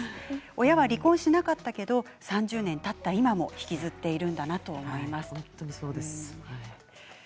親は離婚しなかったけど３０年たった今も引きずっているんだなと思います。